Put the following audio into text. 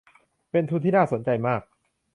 เป็นทุนที่น่าสนใจมาก